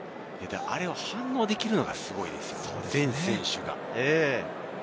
あれを反応できるのがすごいですよね、全選手が。